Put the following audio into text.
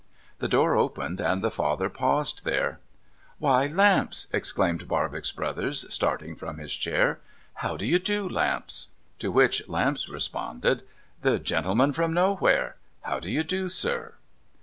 The door opened, and the father paused there. ' Why, Lamps !' exclaimed Barbox Brothers, starting from his chair. ' How do you do, Lamps ?' To which Lamps responded :' The gentleman for Nowhere ! How do you do, sir